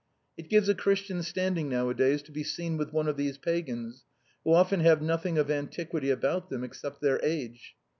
It gives a Christian standing now a days to be seen with one of these Pagans, who often have nothing of an tiquity about them except their age.